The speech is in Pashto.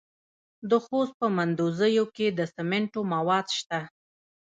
د خوست په مندوزیو کې د سمنټو مواد شته.